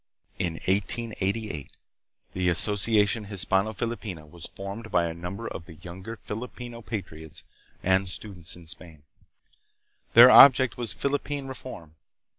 In 1888 the " Asociacion Hispano Filipina " was formed by a number of the younger Filipino patriots and students in Spain. Their object was Philippine reform.